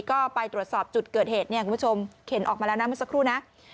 ก็ไปตรวจสอบจุดเกิดเหตุเนี่ยคุณผู้ชมเข็นออกมาแล้วนะเมื่อสักครู่นะ